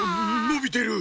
のびてる！